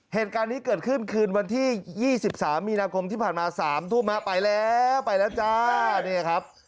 เหตุการณ์นี้เกิดขึ้นคืนวันที่๒๓มีนาคมที่ผ่านมา๓ทุ่มไปแล้วไปแล้วจ้าเนี่ยครับ